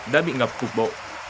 đã bị ngập cục bộ